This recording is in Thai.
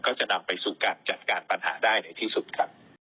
ก็จะนำไปสู่การจัดการปัญหาได้ในที่สุดครับ